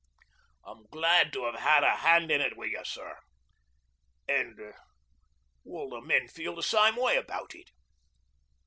I'm glad to have had a hand in it wi' you, sir. And all the men feel the same way about it.'